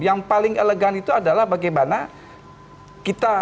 yang paling elegan itu adalah bagaimana kita